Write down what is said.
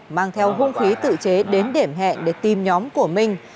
mang theo hung khí tự chế đến điểm hẹn để tìm nhóm của minh